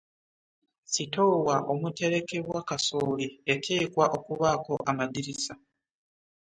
Sitoowa omuterekebwa kasooli eteekwa okubaako amadirisa.